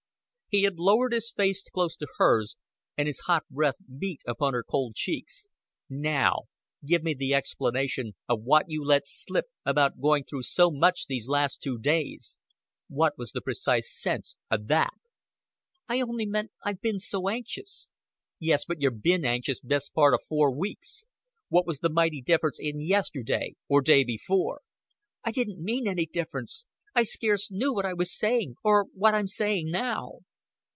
He had lowered his face close to hers, and his hot breath beat upon her cold cheeks. "Now, give me the explanation of what you let slip about going through so much these last two days. What was the precise sense o' that?" "I only meant I've been so anxious." "Yes, but yer bin anxious best part o' four weeks. What was the mighty difference in yesterday or day before?" "I didn't mean any difference. I scarce knew what I was saying or what I'm saying now."